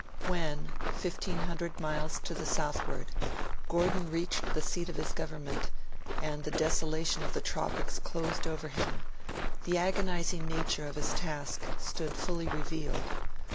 When, 1,500 miles to the southward, Gordon reached the seat of his government, and the desolation of the Tropics closed over him, the agonising nature of his task stood fully revealed.